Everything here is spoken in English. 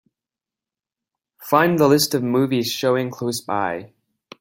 Find the list of movies showing close by